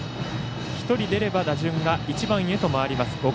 １人出れば打順が１番へと回ります